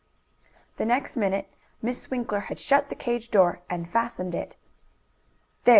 The next minute Miss Winkler had shut the cage door and fastened it. "There!"